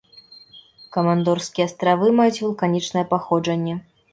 Камандорскія астравы маюць вулканічнае паходжанне.